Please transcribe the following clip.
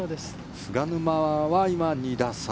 菅沼は今、２打差。